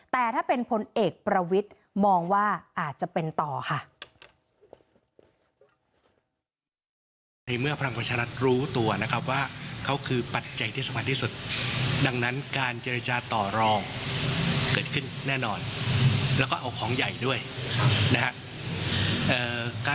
แต่ถ้าเป็นพลเอกประวิทย์มองว่าอาจจะเป็นต่อค่ะ